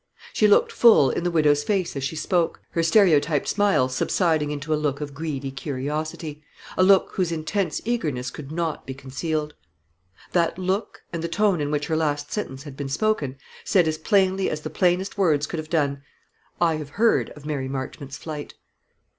She looked full in the widow's face as she spoke, her stereotyped smile subsiding into a look of greedy curiosity; a look whose intense eagerness could not be concealed. That look, and the tone in which her last sentence had been spoken, said as plainly as the plainest words could have done, "I have heard of Mary Marchmont's flight."